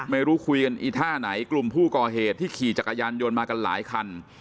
ไม่รู้คุยกันอีท่าไหนกลุ่มผู้ก่อเหตุที่ขี่จักรยานยนต์มากันหลายคัน